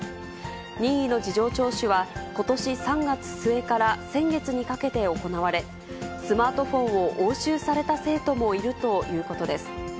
任意の事情聴取は、ことし３月末から先月にかけて行われ、スマートフォンを押収された生徒もいるということです。